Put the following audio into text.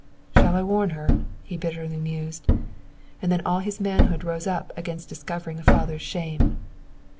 "Shall I warn her?" he bitterly mused. And then all his manhood rose up against discovering a father's shame.